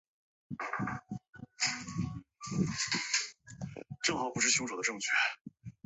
周瑜则分公安给刘备屯驻。